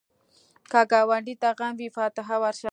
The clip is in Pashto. که ګاونډي ته غم وي، فاتحه ورشه